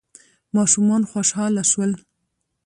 ماشومان خوشحاله شول.